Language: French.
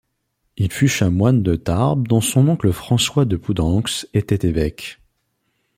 Il fut chanoine de Tarbes dont son oncle François de Poudenx était évêque.